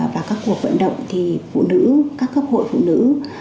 và các cuộc vận động thì phụ nữ các cấp hội phụ nữ